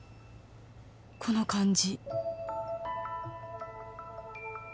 この感じ